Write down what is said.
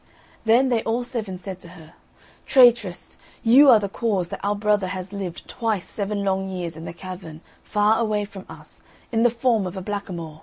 Then they all seven said to her, "Traitress, you are the cause that our brother has lived twice seven long years in the cavern, far away from us, in the form of a blackamoor!